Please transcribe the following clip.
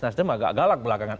nasdem agak galak belakangan